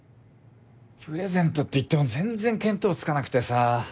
プレゼントっていっても全然見当つかなくてさ。